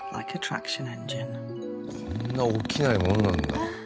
こんな起きないものなんだ。